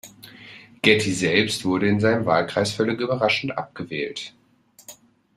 Getty selbst wurde in seinem Wahlkreis völlig überraschend abgewählt.